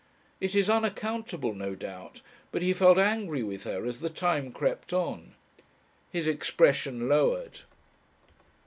It is unaccountable, no doubt, but he felt angry with her as the time crept on. His expression lowered.